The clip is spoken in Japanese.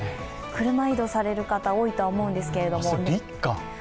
車移動される方、多いと思うんですけど。